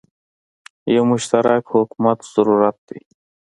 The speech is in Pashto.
یو مشترک حکومت زوروت ده